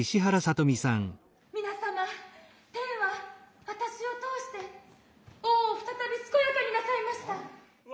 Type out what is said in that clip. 皆様天は私を通して王を再び健やかになさいました。